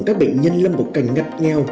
các bệnh nhân lâm một cành ngặt nheo